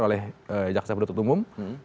oleh jaksa berdutuk tumum